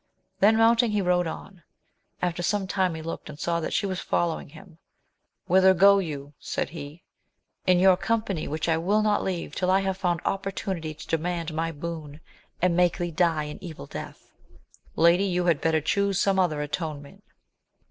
Then mounting, he rode on. After some time he looked and saw that she was following him: whither go you? said he. — In your company, which I wiU not leave, till I have found opportunity to demand my boon, and make thee die an evil death. — Lady, you had better choose some other atonement.